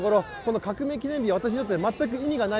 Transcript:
革命記念日は私にとって全く意味がない